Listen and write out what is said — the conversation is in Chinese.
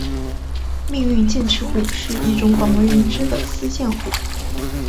命运剑齿虎是一种广为人知的斯剑虎。